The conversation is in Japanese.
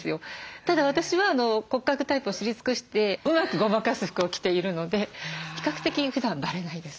ただ私は骨格タイプを知り尽くしてうまくごまかす服を着ているので比較的ふだんばれないです。